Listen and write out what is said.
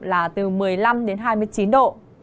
là từ một mươi năm đến hai mươi chín độ